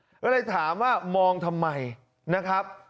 ก็เลยถามว่ามองทำไมนะครับ